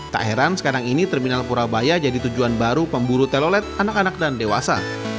tak heran sekarang ini terminal purabaya jadi tujuan baru pemburu telolet anak anak dan dewasa